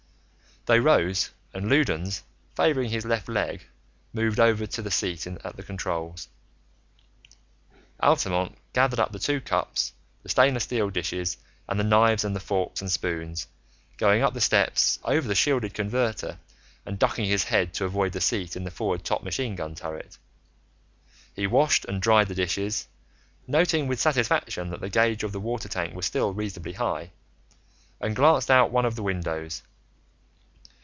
They rose, and Loudons, favoring his left leg, moved over to the seat at the controls. Altamont gathered up the two cups, the stainless steel dishes, and the knives and the forks and spoons, going up the steps over the shielded converter and ducking his head to avoid the seat in the forward top machine gun turret. He washed and dried the dishes, noting with satisfaction that the gauge of the water tank was still reasonably high, and glanced out one of the windows.